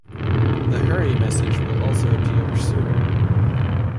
The "Hurry" message will also appear sooner.